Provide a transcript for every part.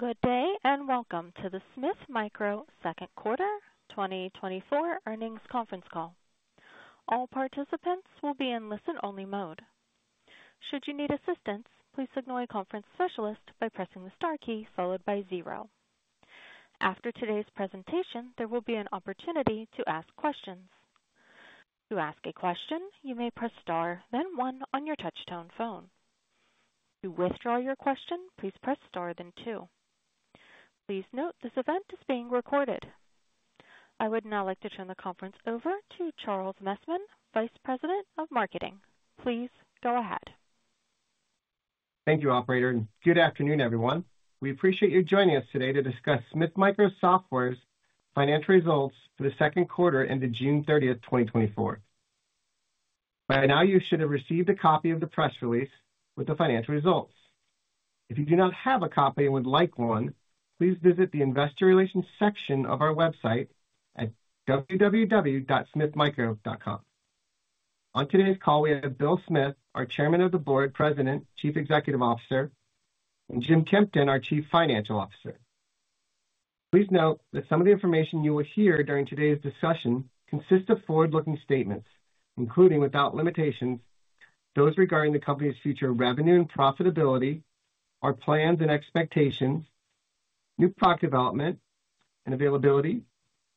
Good day and welcome to the Smith Micro Second Quarter 2024 Earnings Conference Call. All participants will be in listen-only mode. Should you need assistance, please signal a conference specialist by pressing the star key followed by zero. After today's presentation, there will be an opportunity to ask questions. To ask a question, you may press star, then one on your touch-tone phone. To withdraw your question, please press star, then two. Please note this event is being recorded. I would now like to turn the conference over to Charles Messman, Vice President of Marketing. Please go ahead. Thank you, Operator, and good afternoon, everyone. We appreciate your joining us today to discuss Smith Micro Software's financial results for the second quarter ended June 30th, 2024. By now, you should have received a copy of the press release with the financial results. If you do not have a copy and would like one, please visit the investor relations section of our website at www.smithmicro.com. On today's call, we have Bill Smith, our Chairman of the Board, President, Chief Executive Officer, and Jim Kempton, our Chief Financial Officer. Please note that some of the information you will hear during today's discussion consists of forward-looking statements, including without limitations, those regarding the company's future revenue and profitability, our plans and expectations, new product development and availability,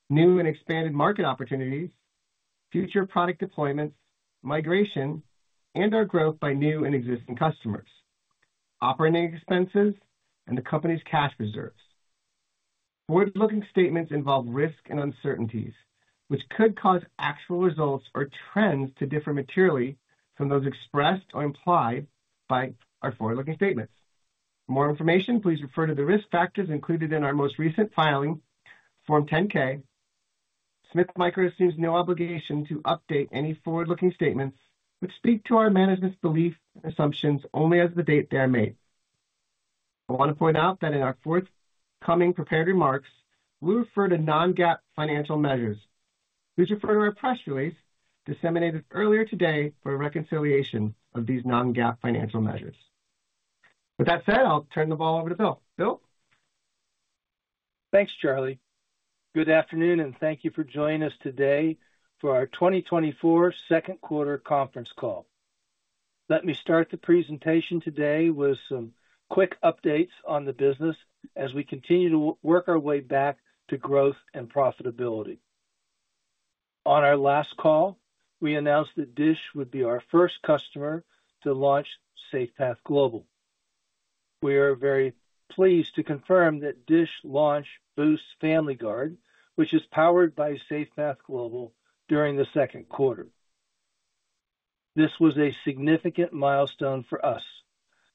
new and expanded market opportunities, future product deployments, migration, and our growth by new and existing customers, operating expenses, and the company's cash reserves. Forward-looking statements involve risk and uncertainties, which could cause actual results or trends to differ materially from those expressed or implied by our forward-looking statements. For more information, please refer to the risk factors included in our most recent filing, Form 10-K. Smith Micro assumes no obligation to update any forward-looking statements which speak to our management's belief and assumptions only as of the date they are made. I want to point out that in our forthcoming prepared remarks, we'll refer to non-GAAP financial measures. Please refer to our press release disseminated earlier today for a reconciliation of these non-GAAP financial measures. With that said, I'll turn the ball over to Bill. Bill? Thanks, Charlie. Good afternoon, and thank you for joining us today for our 2024 second quarter conference call. Let me start the presentation today with some quick updates on the business as we continue to work our way back to growth and profitability. On our last call, we announced that Dish would be our first customer to launch SafePath Global. We are very pleased to confirm that Dish launched Boost Family Guard, which is powered by SafePath Global during the second quarter. This was a significant milestone for us,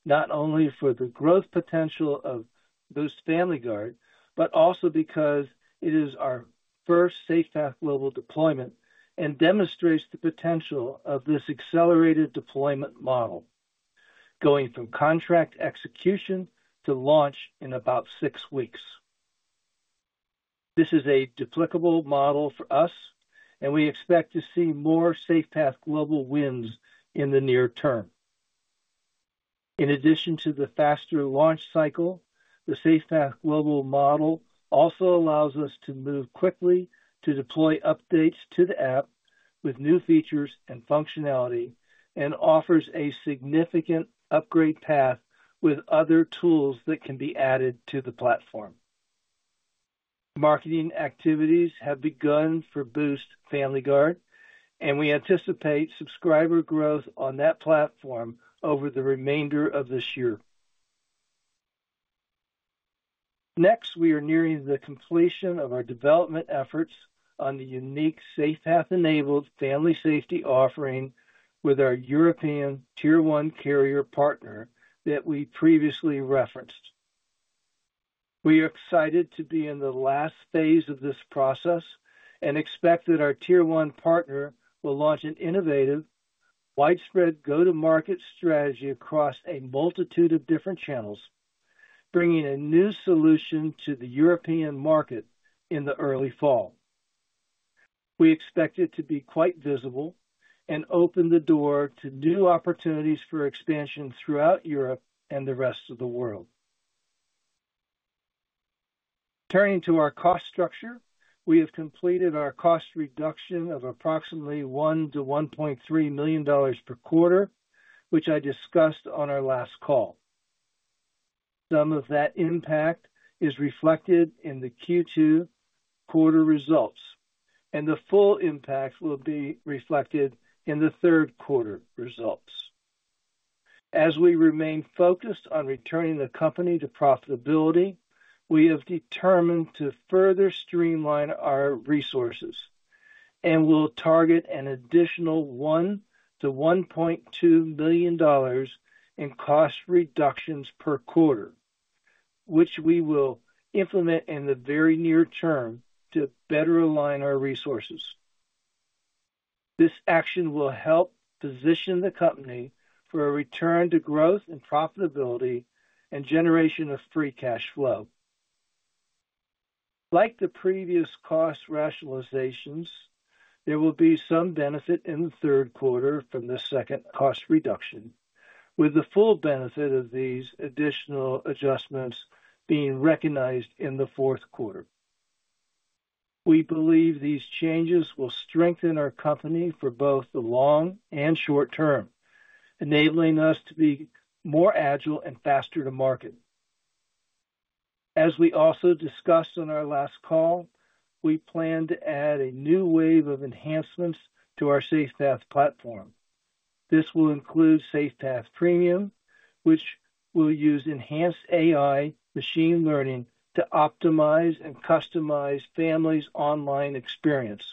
not only for the growth potential of Boost Family Guard, but also because it is our first SafePath Global deployment and demonstrates the potential of this accelerated deployment model, going from contract execution to launch in about six weeks. This is a duplicable model for us, and we expect to see more SafePath Global wins in the near term. In addition to the faster launch cycle, the SafePath Global model also allows us to move quickly to deploy updates to the app with new features and functionality, and offers a significant upgrade path with other tools that can be added to the platform. Marketing activities have begun for Boost Family Guard, and we anticipate subscriber growth on that platform over the remainder of this year. Next, we are nearing the completion of our development efforts on the unique SafePath-enabled family safety offering with our European Tier One carrier partner that we previously referenced. We are excited to be in the last phase of this process and expect that our Tier One partner will launch an innovative widespread go-to-market strategy across a multitude of different channels, bringing a new solution to the European market in the early fall. We expect it to be quite visible and open the door to new opportunities for expansion throughout Europe and the rest of the world. Turning to our cost structure, we have completed our cost reduction of approximately $1 million-$1.3 million per quarter, which I discussed on our last call. Some of that impact is reflected in the Q2 quarter results, and the full impact will be reflected in the third quarter results. As we remain focused on returning the company to profitability, we have determined to further streamline our resources and will target an additional $1 million-$1.2 million in cost reductions per quarter, which we will implement in the very near term to better align our resources. This action will help position the company for a return to growth and profitability and generation of free cash flow. Like the previous cost rationalizations, there will be some benefit in the third quarter from the second cost reduction, with the full benefit of these additional adjustments being recognized in the fourth quarter. We believe these changes will strengthen our company for both the long and short term, enabling us to be more agile and faster to market. As we also discussed on our last call, we plan to add a new wave of enhancements to our SafePath platform. This will include SafePath Premium, which will use enhanced AI machine learning to optimize and customize families' online experience,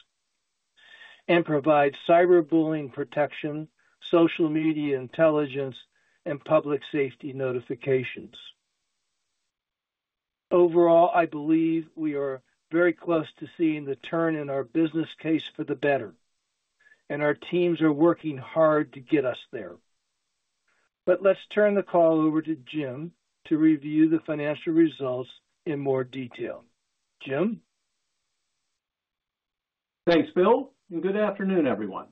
and provide cyberbullying protection, social media intelligence, and public safety notifications. Overall, I believe we are very close to seeing the turn in our business case for the better, and our teams are working hard to get us there. Let's turn the call over to Jim to review the financial results in more detail. Jim? Thanks, Bill, and good afternoon, everyone.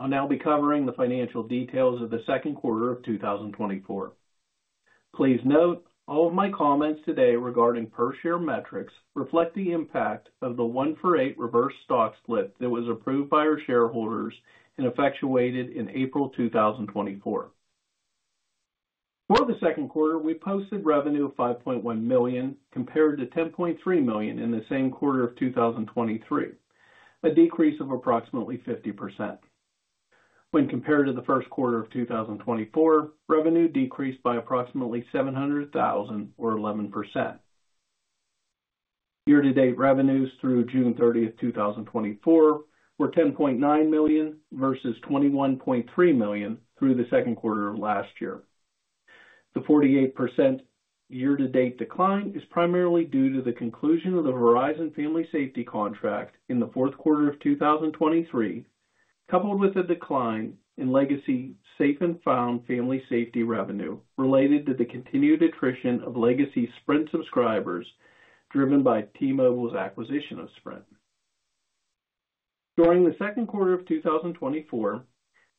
I'll now be covering the financial details of the second quarter of 2024. Please note all of my comments today regarding per-share metrics reflect the impact of the 1 for 8 reverse stock split that was approved by our shareholders and effectuated in April 2024. For the second quarter, we posted revenue of $5.1 million compared to $10.3 million in the same quarter of 2023, a decrease of approximately 50%. When compared to the first quarter of 2024, revenue decreased by approximately $700,000 or 11%. Year-to-date revenues through June 30th, 2024, were $10.9 million versus $21.3 million through the second quarter of last year. The 48% year-to-date decline is primarily due to the conclusion of the Verizon family safety contract in the fourth quarter of 2023, coupled with a decline in legacy Safe and Found family safety revenue related to the continued attrition of legacy Sprint subscribers driven by T-Mobile's acquisition of Sprint. During the second quarter of 2024,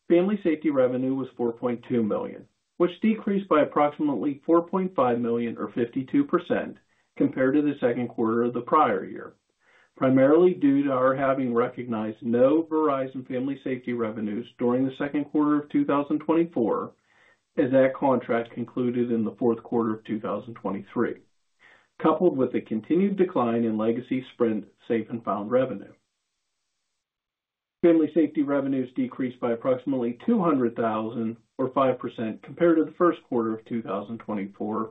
family safety revenue was $4.2 million, which decreased by approximately $4.5 million or 52% compared to the second quarter of the prior year, primarily due to our having recognized no Verizon family safety revenues during the second quarter of 2024 as that contract concluded in the fourth quarter of 2023, coupled with a continued decline in legacy Sprint Safe and Found revenue. Family safety revenues decreased by approximately $200,000 or 5% compared to the first quarter of 2024,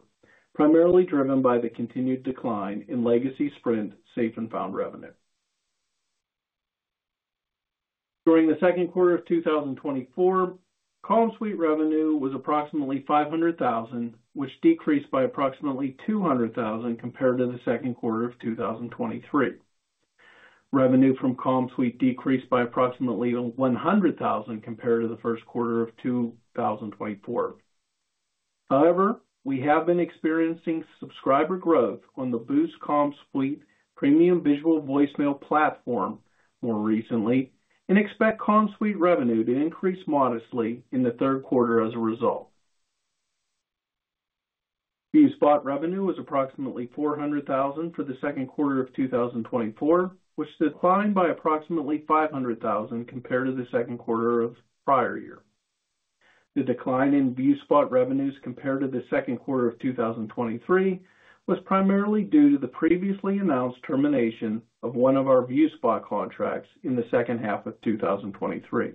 primarily driven by the continued decline in legacy Sprint Safe and Found revenue. During the second quarter of 2024, CommSuite revenue was approximately $500,000, which decreased by approximately $200,000 compared to the second quarter of 2023. Revenue from CommSuite decreased by approximately $100,000 compared to the first quarter of 2024. However, we have been experiencing subscriber growth on the Boost CommSuite Premium Visual Voicemail platform more recently and expect CommSuite revenue to increase modestly in the third quarter as a result. ViewSpot revenue was approximately $400,000 for the second quarter of 2024, which declined by approximately $500,000 compared to the second quarter of the prior year. The decline in ViewSpot revenues compared to the second quarter of 2023 was primarily due to the previously announced termination of one of our ViewSpot contracts in the second half of 2023.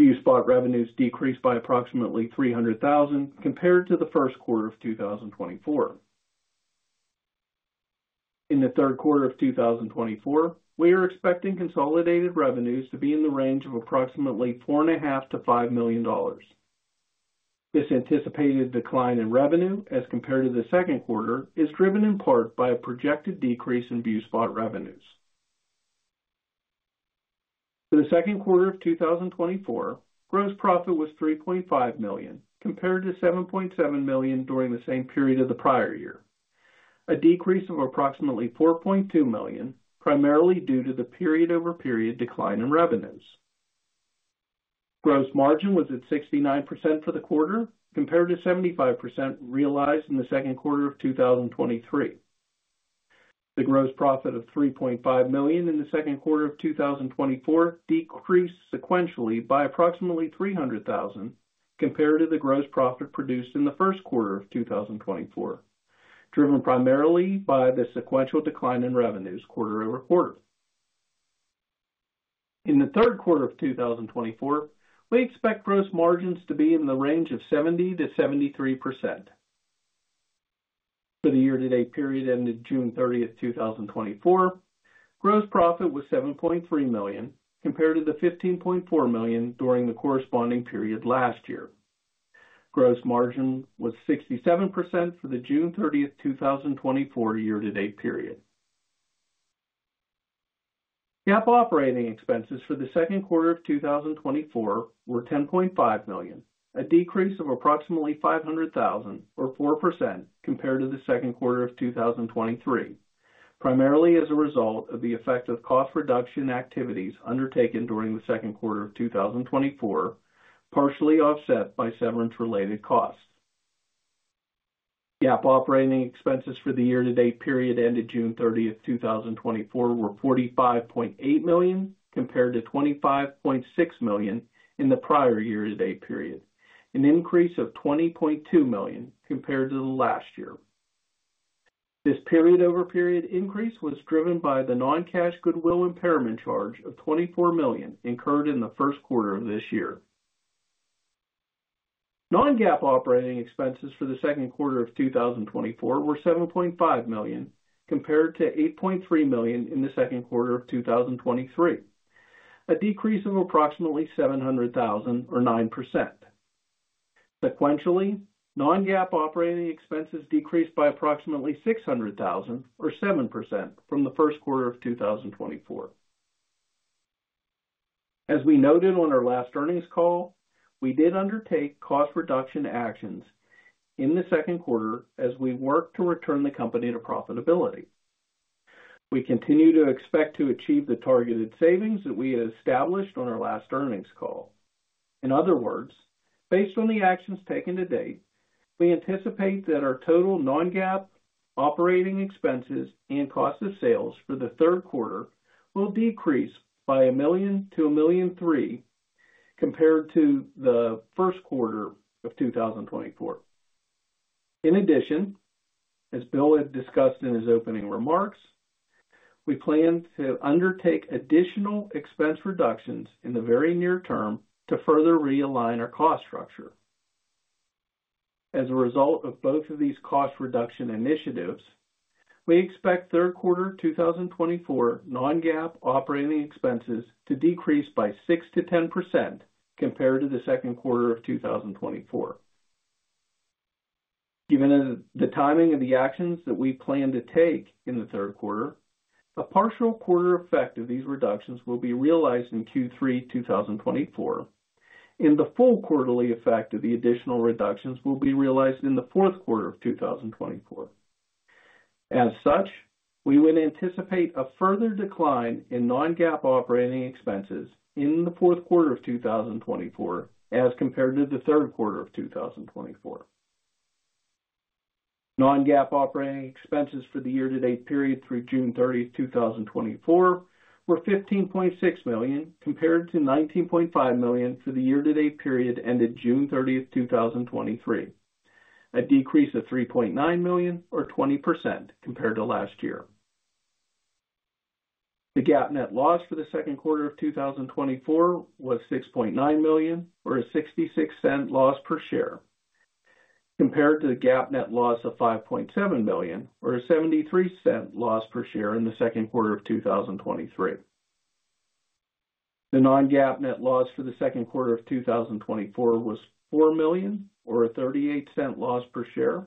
ViewSpot revenues decreased by approximately $300,000 compared to the first quarter of 2024. In the third quarter of 2024, we are expecting consolidated revenues to be in the range of approximately $4.5 million-$5 million. This anticipated decline in revenue as compared to the second quarter is driven in part by a projected decrease in ViewSpot revenues. For the second quarter of 2024, gross profit was $3.5 million compared to $7.7 million during the same period of the prior year, a decrease of approximately $4.2 million, primarily due to the period-over-period decline in revenues. Gross margin was at 69% for the quarter compared to 75% realized in the second quarter of 2023. The gross profit of $3.5 million in the second quarter of 2024 decreased sequentially by approximately $300,000 compared to the gross profit produced in the first quarter of 2024, driven primarily by the sequential decline in revenues quarter-over-quarter. In the third quarter of 2024, we expect gross margins to be in the range of 70%-73%. For the year-to-date period ended June 30th, 2024, gross profit was $7.3 million compared to the $15.4 million during the corresponding period last year. Gross margin was 67% for the June 30th, 2024 year-to-date period. GAAP operating expenses for the second quarter of 2024 were $10.5 million, a decrease of approximately $500,000 or 4% compared to the second quarter of 2023, primarily as a result of the effect of cost reduction activities undertaken during the second quarter of 2024, partially offset by severance-related costs. GAAP operating expenses for the year-to-date period ended June 30th, 2024, were $45.8 million compared to $25.6 million in the prior year-to-date period, an increase of $20.2 million compared to last year. This period-over-period increase was driven by the non-cash goodwill impairment charge of $24 million incurred in the first quarter of this year. Non-GAAP operating expenses for the second quarter of 2024 were $7.5 million compared to $8.3 million in the second quarter of 2023, a decrease of approximately $700,000 or 9%. Sequentially, non-GAAP operating expenses decreased by approximately $600,000 or 7% from the first quarter of 2024. As we noted on our last earnings call, we did undertake cost reduction actions in the second quarter as we worked to return the company to profitability. We continue to expect to achieve the targeted savings that we established on our last earnings call. In other words, based on the actions taken to date, we anticipate that our total non-GAAP operating expenses and cost of sales for the third quarter will decrease by $1 million-$1.3 million compared to the first quarter of 2024. In addition, as Bill had discussed in his opening remarks, we plan to undertake additional expense reductions in the very near term to further realign our cost structure. As a result of both of these cost reduction initiatives, we expect third quarter 2024 non-GAAP operating expenses to decrease by 6%-10% compared to the second quarter of 2024. Given the timing of the actions that we plan to take in the third quarter, a partial quarter effect of these reductions will be realized in Q3 2024, and the full quarterly effect of the additional reductions will be realized in the fourth quarter of 2024. As such, we would anticipate a further decline in non-GAAP operating expenses in the fourth quarter of 2024 as compared to the third quarter of 2024. Non-GAAP operating expenses for the year-to-date period through June 30th, 2024, were $15.6 million compared to $19.5 million for the year-to-date period ended June 30th, 2023, a decrease of $3.9 million or 20% compared to last year. The GAAP net loss for the second quarter of 2024 was $6.9 million or a $0.66 loss per share compared to the GAAP net loss of $5.7 million or a $0.73 loss per share in the second quarter of 2023. The non-GAAP net loss for the second quarter of 2024 was $4 million or a $0.38 loss per share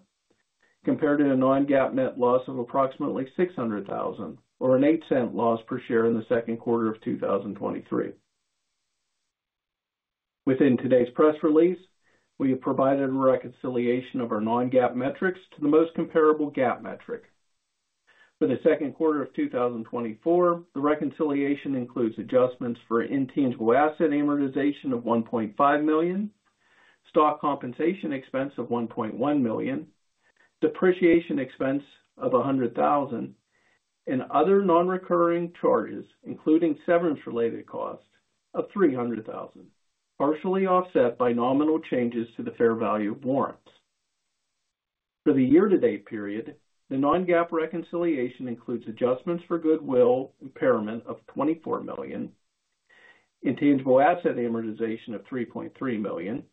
compared to the non-GAAP net loss of approximately $600,000 or an $0.08 loss per share in the second quarter of 2023. Within today's press release, we have provided a reconciliation of our non-GAAP metrics to the most comparable GAAP metric. For the second quarter of 2024, the reconciliation includes adjustments for intangible asset amortization of $1.5 million, stock compensation expense of $1.1 million, depreciation expense of $100,000, and other non-recurring charges, including severance-related costs of $300,000, partially offset by nominal changes to the fair value of warrants. For the year-to-date period, the non-GAAP reconciliation includes adjustments for goodwill impairment of $24 million, intangible asset amortization of $3.3 million,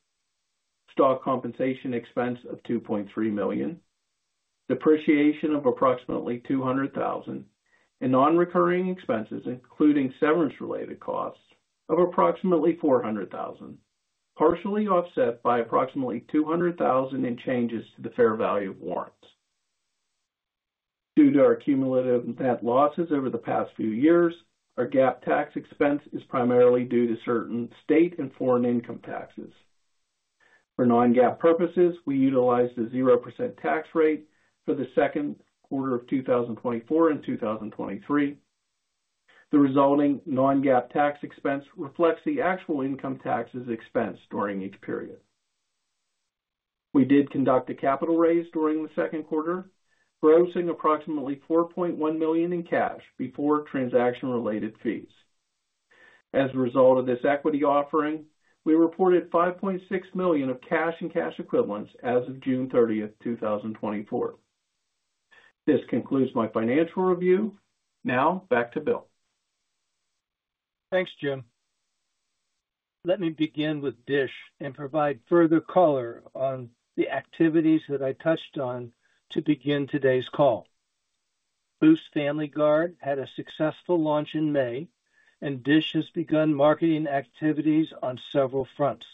stock compensation expense of $2.3 million, depreciation of approximately $200,000, and non-recurring expenses, including severance-related costs of approximately $400,000, partially offset by approximately $200,000 in changes to the fair value of warrants. Due to our cumulative net losses over the past few years, our GAAP tax expense is primarily due to certain state and foreign income taxes. For non-GAAP purposes, we utilized a 0% tax rate for the second quarter of 2024 and 2023. The resulting non-GAAP tax expense reflects the actual income taxes expense during each period. We did conduct a capital raise during the second quarter, grossing approximately $4.1 million in cash before transaction-related fees. As a result of this equity offering, we reported $5.6 million of cash and cash equivalents as of June 30th, 2024. This concludes my financial review. Now, back to Bill. Thanks, Jim. Let me begin with Dish and provide further color on the activities that I touched on to begin today's call. Boost Family Guard had a successful launch in May, and Dish has begun marketing activities on several fronts.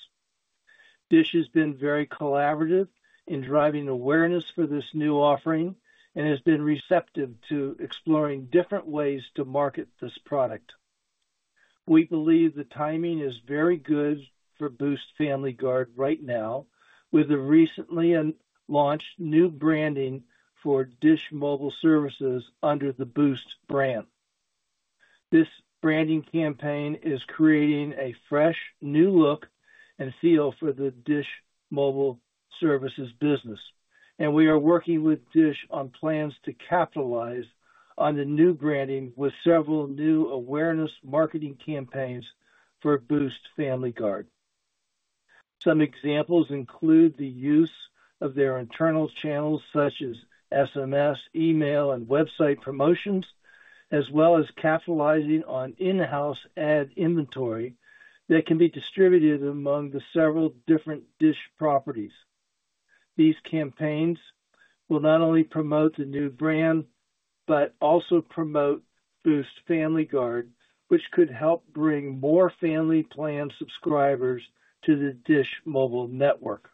Dish has been very collaborative in driving awareness for this new offering and has been receptive to exploring different ways to market this product. We believe the timing is very good for Boost Family Guard right now, with the recently launched new branding for Dish Mobile Services under the Boost brand. This branding campaign is creating a fresh new look and feel for the Dish Mobile Services business, and we are working with Dish on plans to capitalize on the new branding with several new awareness marketing campaigns for Boost Family Guard. Some examples include the use of their internal channels such as SMS, email, and website promotions, as well as capitalizing on in-house ad inventory that can be distributed among the several different Dish properties. These campaigns will not only promote the new brand but also promote Boost Family Guard, which could help bring more family plan subscribers to the Dish Mobile network.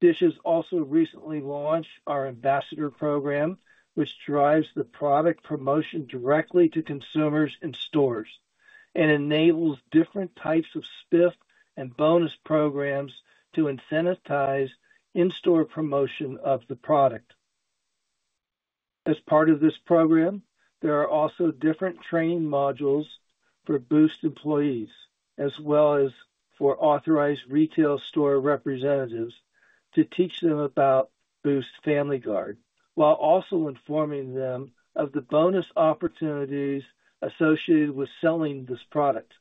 Dish has also recently launched our Ambassador Program, which drives the product promotion directly to consumers in stores and enables different types of spiff and bonus programs to incentivize in-store promotion of the product. As part of this program, there are also different training modules for Boost employees, as well as for authorized retail store representatives, to teach them about Boost Family Guard while also informing them of the bonus opportunities associated with selling this product.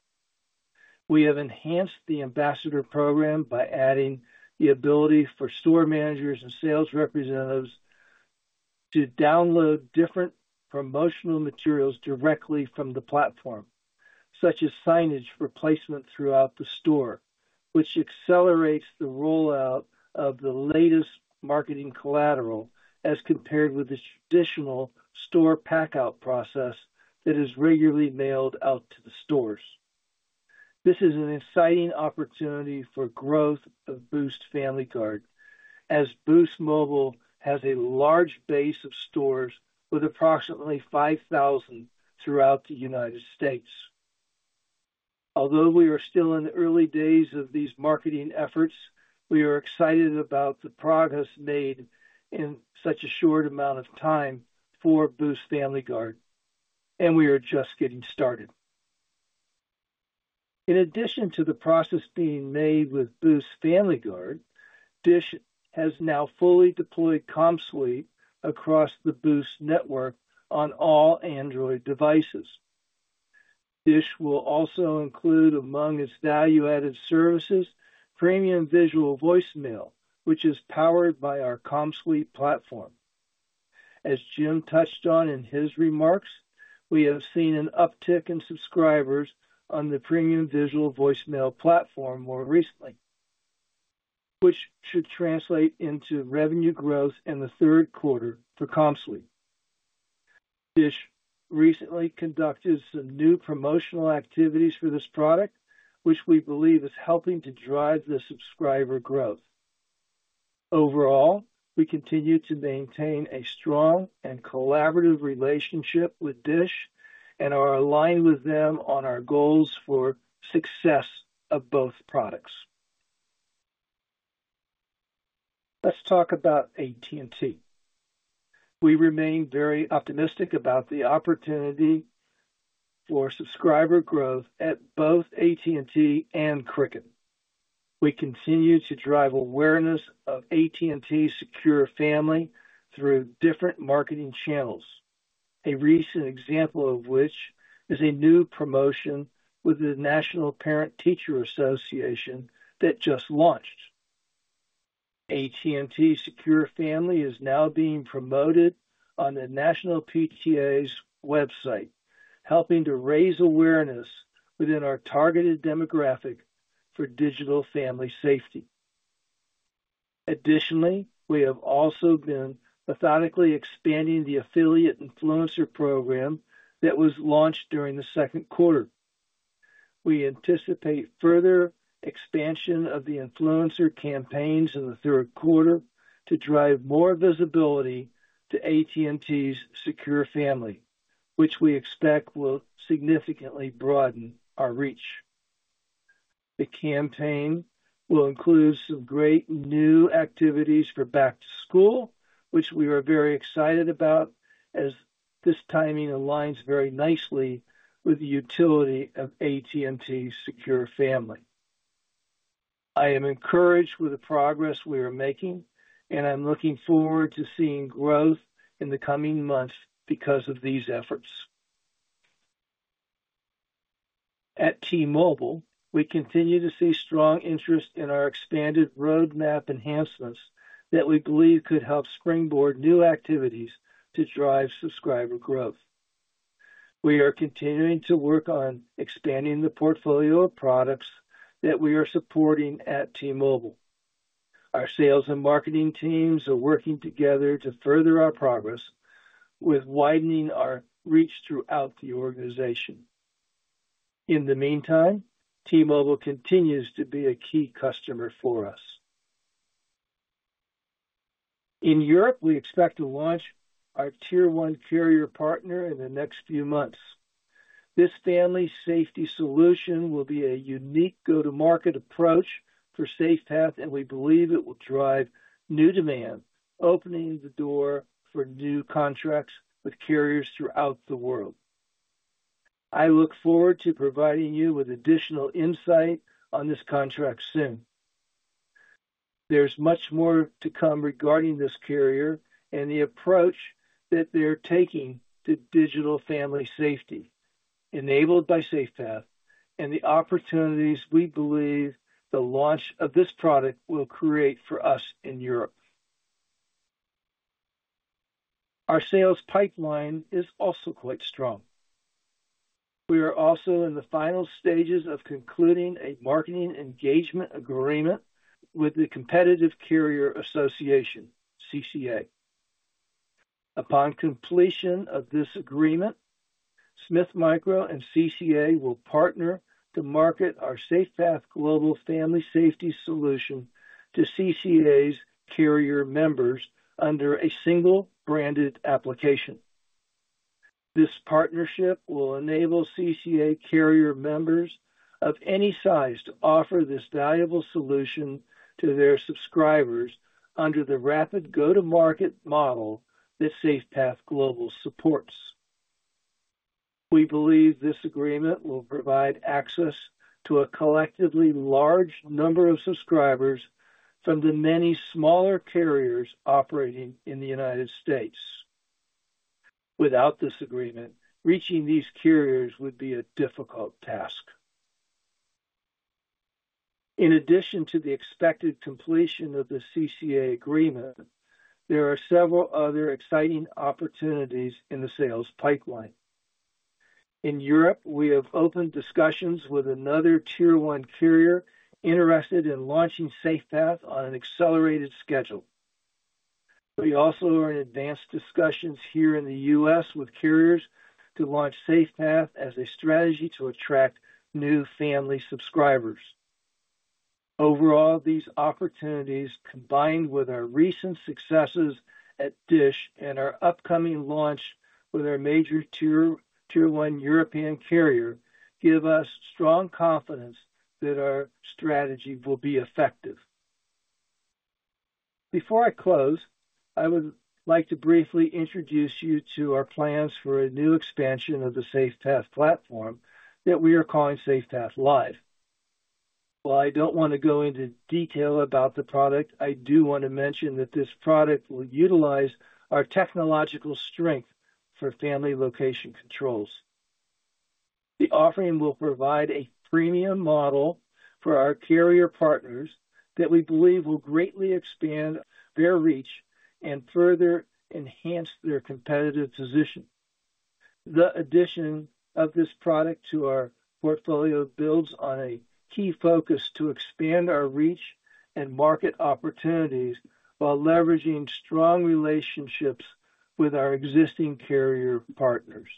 We have enhanced the Ambassador Program by adding the ability for store managers and sales representatives to download different promotional materials directly from the platform, such as signage for placement throughout the store, which accelerates the rollout of the latest marketing collateral as compared with the traditional store pack-out process that is regularly mailed out to the stores. This is an exciting opportunity for growth of Boost Family Guard, as Boost Mobile has a large base of stores with approximately 5,000 throughout the United States. Although we are still in the early days of these marketing efforts, we are excited about the progress made in such a short amount of time for Boost Family Guard, and we are just getting started. In addition to the progress being made with Boost Family Guard, Dish has now fully deployed CommSuite across the Boost network on all Android devices. Dish will also include among its value-added services Premium Visual Voicemail, which is powered by our CommSuite platform. As Jim touched on in his remarks, we have seen an uptick in subscribers on the Premium Visual Voicemail platform more recently, which should translate into revenue growth in the third quarter for CommSuite. Dish recently conducted some new promotional activities for this product, which we believe is helping to drive the subscriber growth. Overall, we continue to maintain a strong and collaborative relationship with Dish and are aligned with them on our goals for success of both products. Let's talk about AT&T. We remain very optimistic about the opportunity for subscriber growth at both AT&T and Cricket. We continue to drive awareness of AT&T Secure Family through different marketing channels, a recent example of which is a new promotion with the National Parent Teacher Association that just launched. AT&T Secure Family is now being promoted on the National PTA's website, helping to raise awareness within our targeted demographic for digital family safety. Additionally, we have also been methodically expanding the affiliate influencer program that was launched during the second quarter. We anticipate further expansion of the influencer campaigns in the third quarter to drive more visibility to AT&T's Secure Family, which we expect will significantly broaden our reach. The campaign will include some great new activities for back to school, which we are very excited about as this timing aligns very nicely with the utility of AT&T Secure Family. I am encouraged with the progress we are making, and I'm looking forward to seeing growth in the coming months because of these efforts. At T-Mobile, we continue to see strong interest in our expanded roadmap enhancements that we believe could help springboard new activities to drive subscriber growth. We are continuing to work on expanding the portfolio of products that we are supporting at T-Mobile. Our sales and marketing teams are working together to further our progress with widening our reach throughout the organization. In the meantime, T-Mobile continues to be a key customer for us. In Europe, we expect to launch our Tier 1 carrier partner in the next few months. This family safety solution will be a unique go-to-market approach for SafePath, and we believe it will drive new demand, opening the door for new contracts with carriers throughout the world. I look forward to providing you with additional insight on this contract soon. There's much more to come regarding this carrier and the approach that they're taking to digital family safety enabled by SafePath and the opportunities we believe the launch of this product will create for us in Europe. Our sales pipeline is also quite strong. We are also in the final stages of concluding a marketing engagement agreement with the Competitive Carriers Association (CCA). Upon completion of this agreement, Smith Micro and CCA will partner to market our SafePath Global Family Safety solution to CCA's carrier members under a single branded application. This partnership will enable CCA carrier members of any size to offer this valuable solution to their subscribers under the rapid go-to-market model that SafePath Global supports. We believe this agreement will provide access to a collectively large number of subscribers from the many smaller carriers operating in the United States. Without this agreement, reaching these carriers would be a difficult task. In addition to the expected completion of the CCA agreement, there are several other exciting opportunities in the sales pipeline. In Europe, we have opened discussions with another Tier 1 carrier interested in launching SafePath on an accelerated schedule. We also are in advanced discussions here in the U.S. with carriers to launch SafePath as a strategy to attract new family subscribers. Overall, these opportunities, combined with our recent successes at Dish and our upcoming launch with our major Tier 1 European carrier, give us strong confidence that our strategy will be effective. Before I close, I would like to briefly introduce you to our plans for a new expansion of the SafePath platform that we are calling SafePath Live. While I don't want to go into detail about the product, I do want to mention that this product will utilize our technological strength for family location controls. The offering will provide a premium model for our carrier partners that we believe will greatly expand their reach and further enhance their competitive position. The addition of this product to our portfolio builds on a key focus to expand our reach and market opportunities while leveraging strong relationships with our existing carrier partners.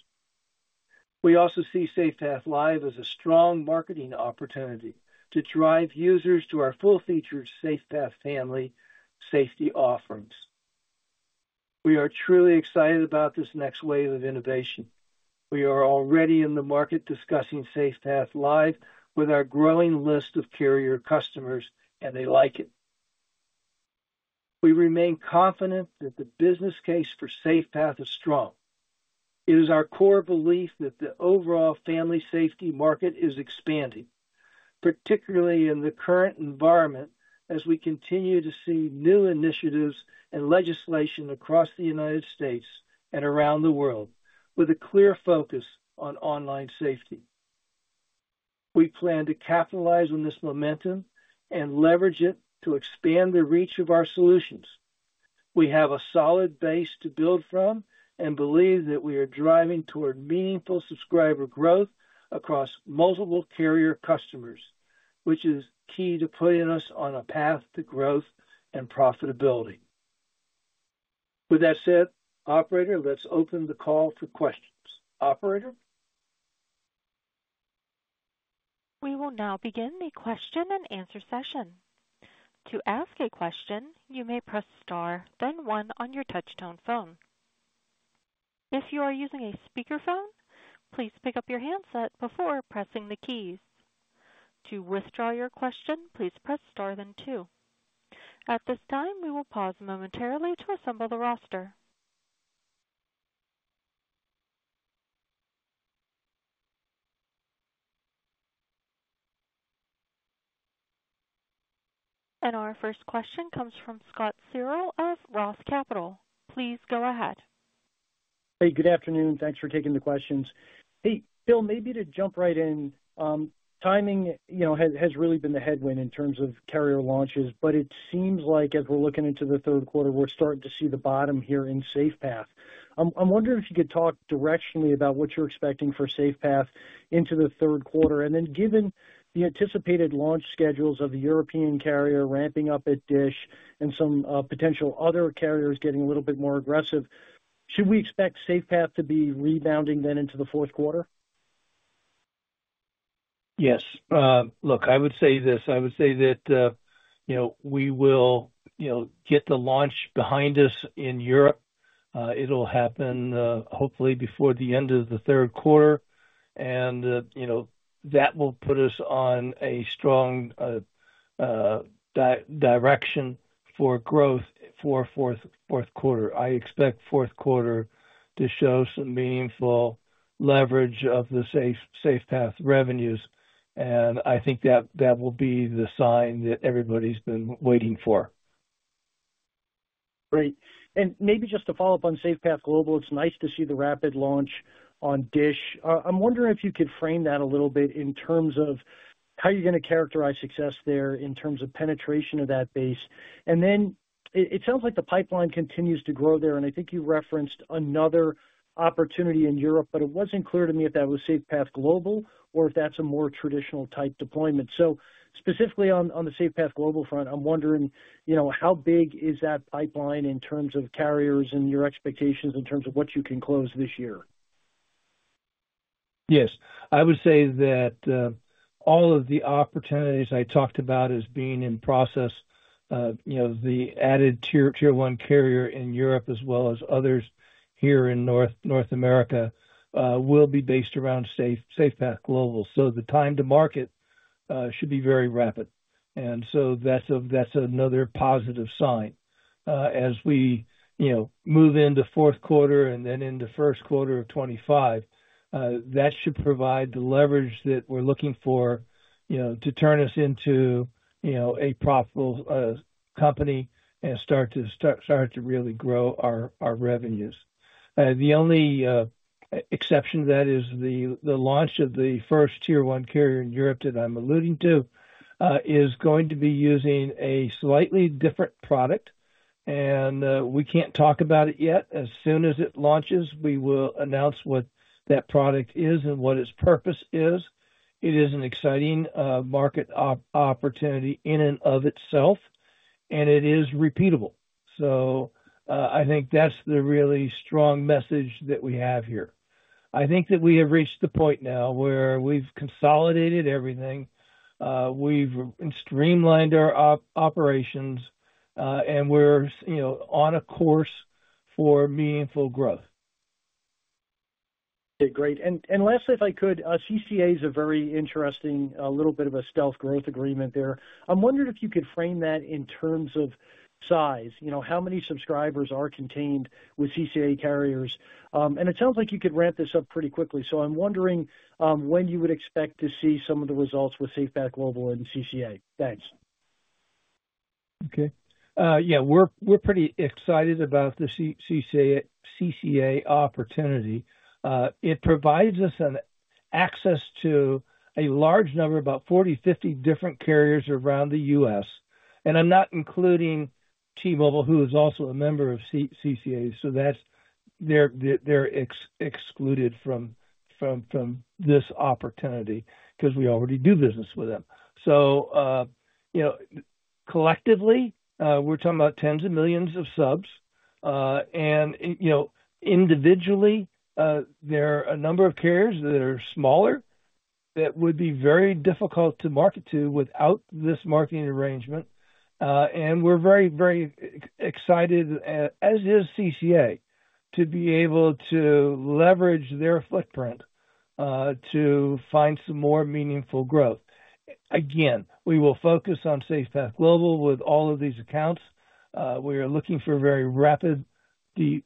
We also see SafePath Live as a strong marketing opportunity to drive users to our full-featured SafePath family safety offerings. We are truly excited about this next wave of innovation. We are already in the market discussing SafePath Live with our growing list of carrier customers, and they like it. We remain confident that the business case for SafePath is strong. It is our core belief that the overall family safety market is expanding, particularly in the current environment as we continue to see new initiatives and legislation across the United States and around the world with a clear focus on online safety. We plan to capitalize on this momentum and leverage it to expand the reach of our solutions. We have a solid base to build from and believe that we are driving toward meaningful subscriber growth across multiple carrier customers, which is key to putting us on a path to growth and profitability. With that said, Operator, let's open the call for questions. Operator? We will now begin the question-and-answer session. To ask a question, you may press Star, then one on your touch-tone phone. If you are using a speakerphone, please pick up your handset before pressing the keys. To withdraw your question, please press Star, then two. At this time, we will pause momentarily to assemble the roster. Our first question comes from Scott Searle of Roth Capital. Please go ahead. Hey, good afternoon. Thanks for taking the questions. Hey, Bill, maybe to jump right in, timing has really been the headwind in terms of carrier launches, but it seems like as we're looking into the third quarter, we're starting to see the bottom here in SafePath. I'm wondering if you could talk directionally about what you're expecting for SafePath into the third quarter. Then given the anticipated launch schedules of the European carrier ramping up at Dish and some potential other carriers getting a little bit more aggressive, should we expect SafePath to be rebounding then into the fourth quarter? Yes. Look, I would say this. I would say that we will get the launch behind us in Europe. It'll happen hopefully before the end of the third quarter, and that will put us on a strong direction for growth for fourth quarter. I expect fourth quarter to show some meaningful leverage of the SafePath revenues, and I think that will be the sign that everybody's been waiting for. Great. And maybe just to follow up on SafePath Global, it's nice to see the rapid launch on Dish. I'm wondering if you could frame that a little bit in terms of how you're going to characterize success there in terms of penetration of that base. And then it sounds like the pipeline continues to grow there, and I think you referenced another opportunity in Europe, but it wasn't clear to me if that was SafePath Global or if that's a more traditional type deployment. So specifically on the SafePath Global front, I'm wondering how big is that pipeline in terms of carriers and your expectations in terms of what you can close this year? Yes. I would say that all of the opportunities I talked about as being in process, the added Tier 1 carrier in Europe as well as others here in North America will be based around SafePath Global. So the time to market should be very rapid. And so that's another positive sign. As we move into fourth quarter and then into first quarter of 2025, that should provide the leverage that we're looking for to turn us into a profitable company and start to really grow our revenues. The only exception to that is the launch of the first Tier 1 carrier in Europe that I'm alluding to is going to be using a slightly different product, and we can't talk about it yet. As soon as it launches, we will announce what that product is and what its purpose is. It is an exciting market opportunity in and of itself, and it is repeatable. So I think that's the really strong message that we have here. I think that we have reached the point now where we've consolidated everything. We've streamlined our operations, and we're on a course for meaningful growth. Okay. Great. And lastly, if I could, CCA is a very interesting little bit of a stealth growth agreement there. I'm wondering if you could frame that in terms of size, how many subscribers are contained with CCA carriers? It sounds like you could ramp this up pretty quickly. So I'm wondering when you would expect to see some of the results with SafePath Global and CCA. Thanks. Okay. Yeah. We're pretty excited about the CCA opportunity. It provides us access to a large number, about 40-50 different carriers around the U.S. And I'm not including T-Mobile, who is also a member of CCA, so they're excluded from this opportunity because we already do business with them. So collectively, we're talking about tens of millions of subs. And individually, there are a number of carriers that are smaller that would be very difficult to market to without this marketing arrangement. And we're very, very excited, as is CCA, to be able to leverage their footprint to find some more meaningful growth. Again, we will focus on SafePath Global with all of these accounts. We are looking for very rapid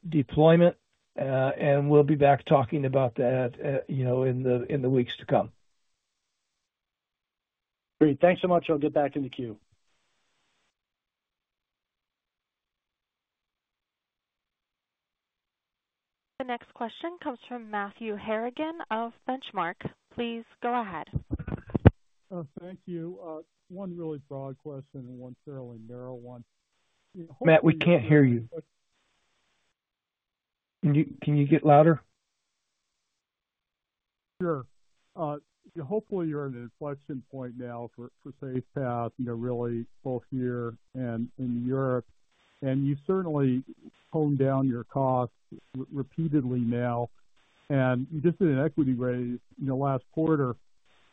deployment, and we'll be back talking about that in the weeks to come. Great. Thanks so much. I'll get back in the queue. The next question comes from Matthew Harrigan of Benchmark. Please go ahead. Thank you. One really broad question and one fairly narrow one. Matt, we can't hear you. Can you get louder? Sure. Hopefully, you're in an inflection point now for SafePath, really both here and in Europe. And you certainly toned down your costs repeatedly now, and you just did an equity raise last quarter.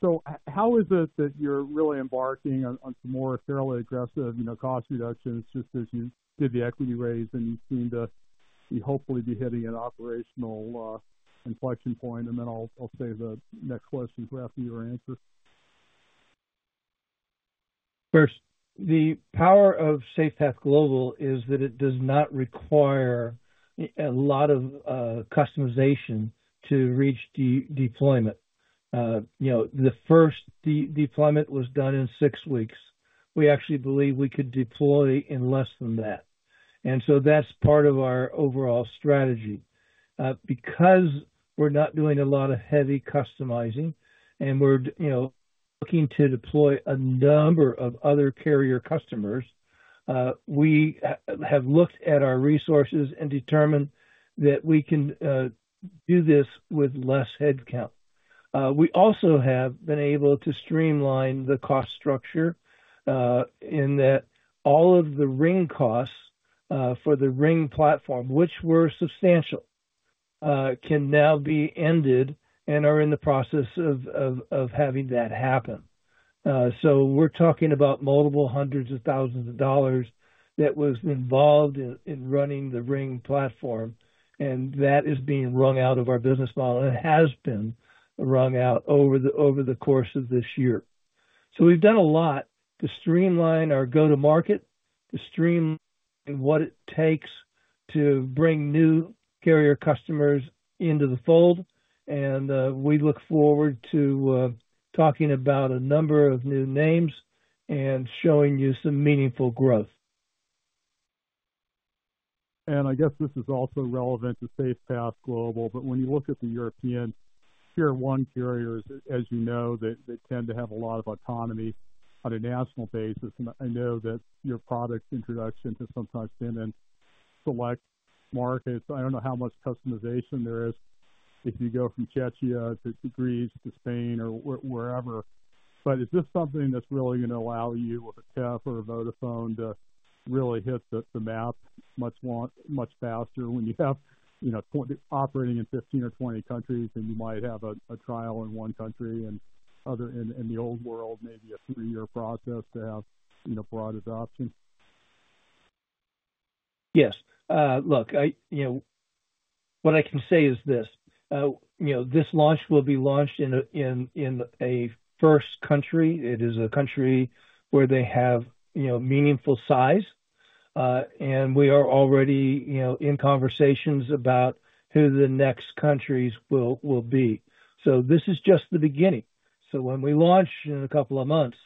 So how is it that you're really embarking on some more fairly aggressive cost reductions just as you did the equity raise and you seem to hopefully be hitting an operational inflection point? And then I'll save the next question for after your answer. First, the power of SafePath Global is that it does not require a lot of customization to reach deployment. The first deployment was done in six weeks. We actually believe we could deploy in less than that. And so that's part of our overall strategy. Because we're not doing a lot of heavy customizing and we're looking to deploy a number of other carrier customers, we have looked at our resources and determined that we can do this with less headcount. We also have been able to streamline the cost structure in that all of the ring costs for the ring platform, which were substantial, can now be ended and are in the process of having that happen. So we're talking about $ multiple hundreds of thousands that were involved in running the ring platform, and that is being wrung out of our business model. It has been wrung out over the course of this year. We've done a lot to streamline our go-to-market, to streamline what it takes to bring new carrier customers into the fold. We look forward to talking about a number of new names and showing you some meaningful growth. I guess this is also relevant to SafePath Global, but when you look at the European Tier 1 carriers, as you know, they tend to have a lot of autonomy on a national basis. I know that your product introduction has sometimes been in select markets. I don't know how much customization there is if you go from Czechia to Greece to Spain or wherever. But is this something that's really going to allow you with a TEF or a Vodafone to really hit the map much faster when you have operating in 15 or 20 countries and you might have a trial in one country and other in the old world, maybe a three-year process to have broad adoption? Yes. Look, what I can say is this. This launch will be launched in a first country. It is a country where they have meaningful size. And we are already in conversations about who the next countries will be. So this is just the beginning. So when we launch in a couple of months,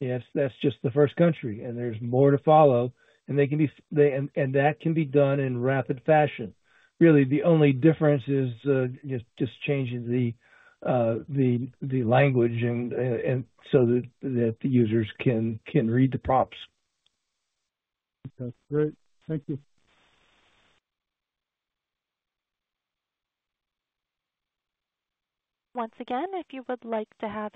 that's just the first country, and there's more to follow. And that can be done in rapid fashion. Really, the only difference is just changing the language so that the users can read the app. That's great. Thank you. Once again, if you would like to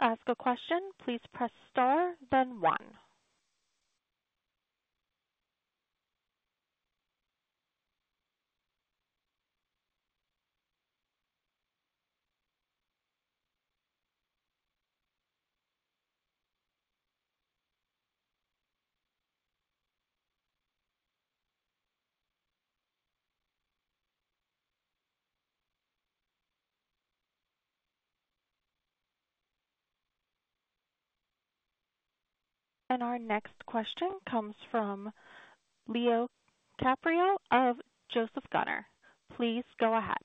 ask a question, please press Star, then one. And our next question comes from Leo Carpio of Joseph Gunnar. Please go ahead.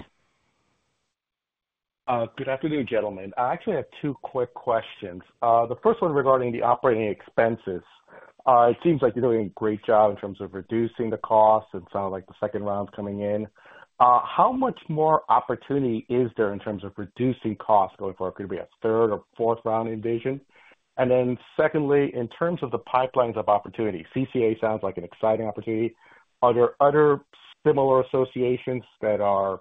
Good afternoon, gentlemen. I actually have two quick questions. The first one regarding the operating expenses. It seems like you're doing a great job in terms of reducing the cost, and it sounds like the second round's coming in. How much more opportunity is there in terms of reducing costs going forward? Could it be a third or fourth round iteration? And then secondly, in terms of the pipelines of opportunity, CCA sounds like an exciting opportunity. Are there other similar associations that are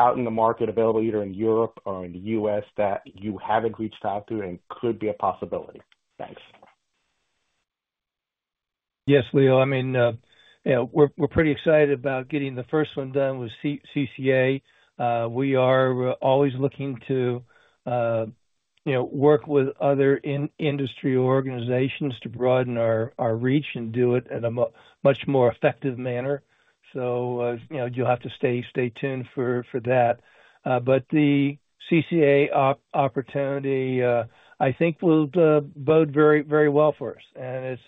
out in the market available either in Europe or in the U.S. that you haven't reached out to and could be a possibility? Thanks. Yes, Leo. I mean, we're pretty excited about getting the first one done with CCA. We are always looking to work with other industry organizations to broaden our reach and do it in a much more effective manner. So you'll have to stay tuned for that. But the CCA opportunity, I think, will bode very well for us. And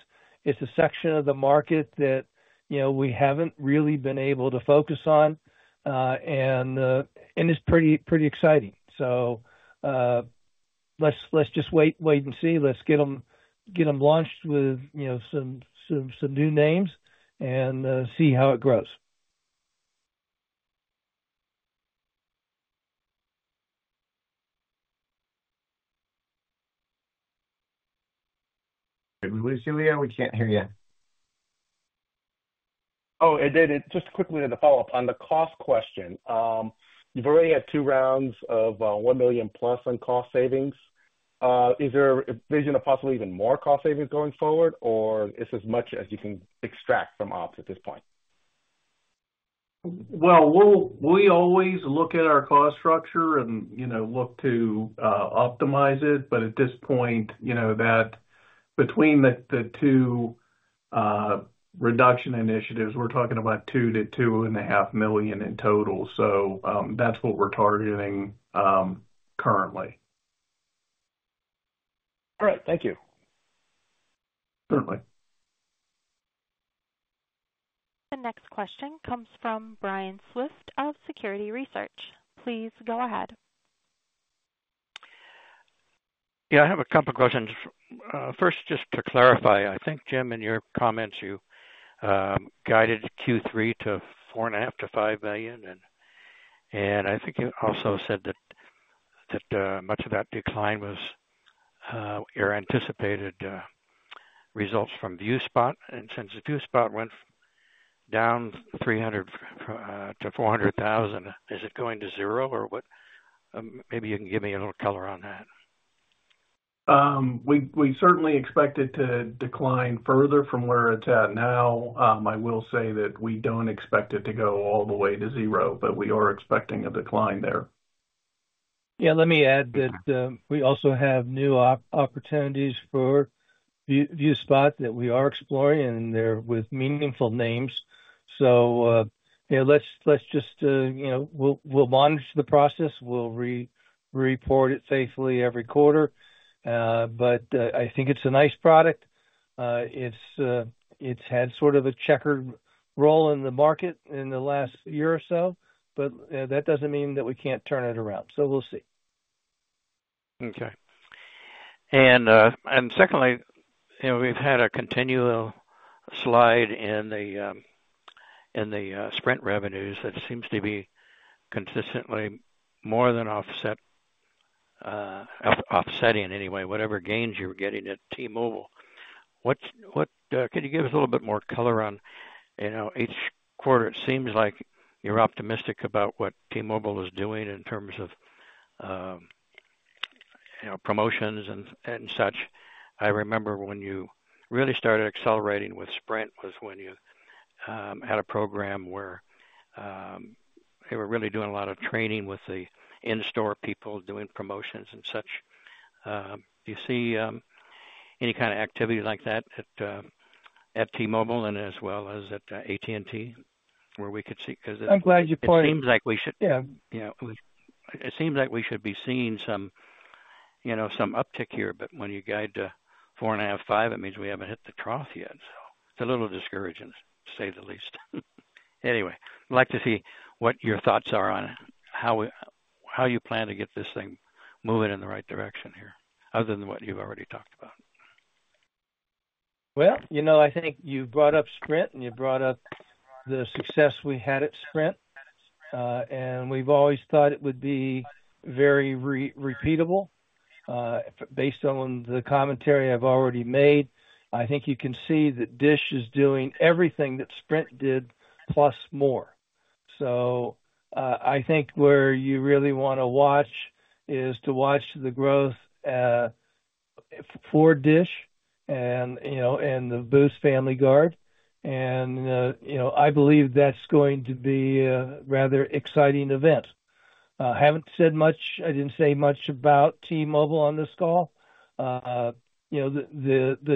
it's a section of the market that we haven't really been able to focus on, and it's pretty exciting. So let's just wait and see. Let's get them launched with some new names and see how it grows. Did we lose you, Leo? We can't hear you. Oh, it did. Just quickly as a follow-up on the cost question. You've already had two rounds of $1 million plus on cost savings. Is there a vision of possibly even more cost savings going forward, or is this much as you can extract from ops at this point? Well, we always look at our cost structure and look to optimize it. But at this point, between the two reduction initiatives, we're talking about $2 million-$2.5 million in total. So that's what we're targeting currently. All right. Thank you. Certainly. The next question comes from Brian Swift of Security Research. Please go ahead. Yeah. I have a couple of questions. First, just to clarify, I think, Jim, in your comments, you guided Q3 to $4.5 million-$5 million. And I think you also said that much of that decline was your anticipated results from ViewSpot. And since ViewSpot went down $300,000-$400,000, is it going to zero or what? Maybe you can give me a little color on that. We certainly expect it to decline further from where it's at now. I will say that we don't expect it to go all the way to zero, but we are expecting a decline there. Yeah. Let me add that we also have new opportunities for ViewSpot that we are exploring, and they're with meaningful names. So let's just we'll monitor the process. We'll report it safely every quarter. But I think it's a nice product. It's had sort of a checkered role in the market in the last year or so, but that doesn't mean that we can't turn it around. So we'll see. Okay. And secondly, we've had a continual slide in the Sprint revenues that seems to be consistently more than offsetting anyway, whatever gains you're getting at T-Mobile. Can you give us a little bit more color on each quarter? It seems like you're optimistic about what T-Mobile is doing in terms of promotions and such. I remember when you really started accelerating with Sprint was when you had a program where they were really doing a lot of training with the in-store people doing promotions and such. Do you see any kind of activity like that at T-Mobile and as well as at AT&T where we could see? Because it seems like we should. Yeah. It seems like we should be seeing some uptick here. But when you guide to $4.5-$5, it means we haven't hit the trough yet. So it's a little discouraging, to say the least. Anyway, I'd like to see what your thoughts are on how you plan to get this thing moving in the right direction here, other than what you've already talked about. Well, I think you brought up Sprint, and you brought up the success we had at Sprint. We've always thought it would be very repeatable. Based on the commentary I've already made, I think you can see that Dish is doing everything that Sprint did plus more. So I think where you really want to watch is to watch the growth for Dish and the Boost Family Guard. And I believe that's going to be a rather exciting event. I haven't said much. I didn't say much about T-Mobile on this call. The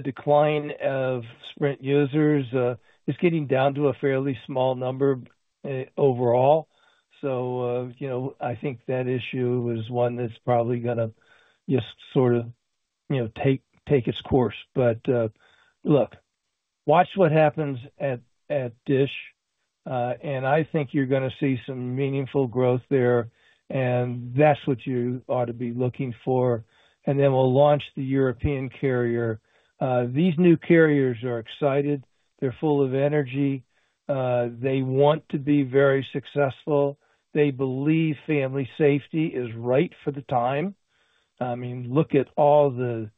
decline of Sprint users is getting down to a fairly small number overall. So I think that issue is one that's probably going to just sort of take its course. But look, watch what happens at Dish. And I think you're going to see some meaningful growth there. And that's what you ought to be looking for. And then we'll launch the European carrier. These new carriers are excited. They're full of energy. They want to be very successful. They believe family safety is right for the time. I mean, look at all the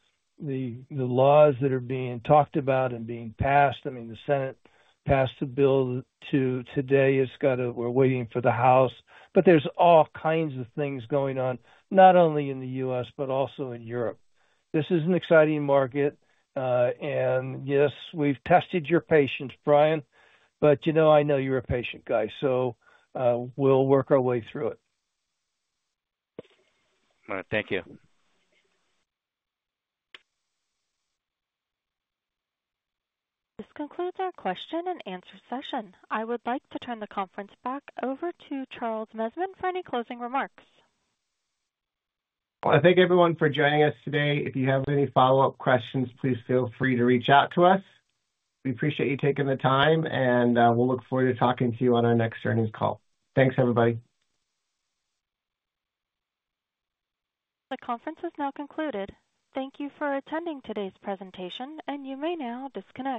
laws that are being talked about and being passed. I mean, the Senate passed a bill today. We're waiting for the House. But there's all kinds of things going on, not only in the U.S., but also in Europe. This is an exciting market. And yes, we've tested your patience, Brian. But I know you're a patient guy. So we'll work our way through it. Thank you. This concludes our question and answer session. I would like to turn the conference back over to Charles Messman for any closing remarks. Well, I thank everyone for joining us today. If you have any follow-up questions, please feel free to reach out to us. We appreciate you taking the time, and we'll look forward to talking to you on our next earnings call. Thanks, everybody. The conference is now concluded. Thank you for attending today's presentation, and you may now disconnect.